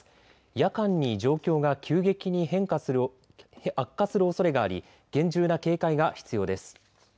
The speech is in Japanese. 夜間に状況が急激に悪化するおそれがあり厳重な警戒が必要です。